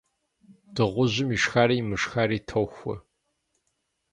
Дыгъужьым ишхари имышхари тохуэ.